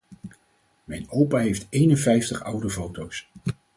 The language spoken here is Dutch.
Mijn opa heeft eenenvijftig oude foto’s.